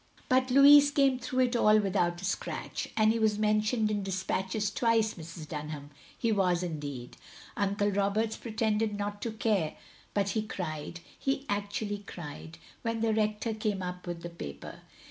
But Louis came through it all without a scratch. And he was mentioned in despatches twice, Mrs. Dunham, he was indeed. Uncle Roberts pretended not to care, but he cried — ^he actually cried — ^when the Rector came up with the paper.